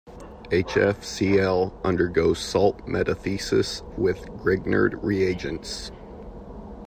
HfCl undergoes salt metathesis with Grignard reagents.